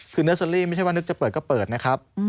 คือเนอร์เซอรี่ไม่ใช่ว่านึกจะเปิดก็เปิดนะครับ